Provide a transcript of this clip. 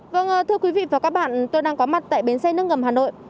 vâng thưa quý vị và các bạn tôi đang có mặt tại bến xe nước ngầm hà nội